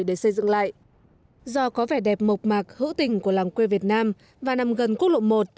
do có vẻ đẹp mộc mạc hữu tình của làng quê việt nam và nằm gần quốc lộ một